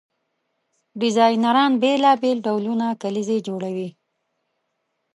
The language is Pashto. ډیزاینران بیلابیل ډولونه کلیزې جوړوي.